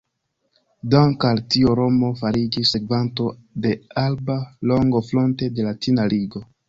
Danke al tio Romo fariĝis sekvanto de Alba Longo fronte de Latina Ligo.